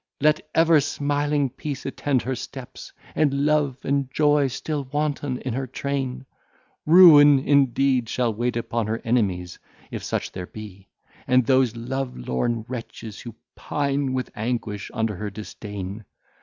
let ever smiling peace attend her steps, and love and joy still wanton in her train! Ruin, indeed, shall wait upon her enemies, if such there be, and those love lorn wretches who pine with anguish under her disdain.